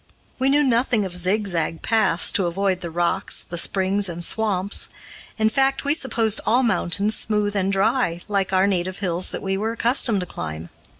We knew nothing of zigzag paths to avoid the rocks, the springs, and swamps; in fact we supposed all mountains smooth and dry, like our native hills that we were accustomed to climb.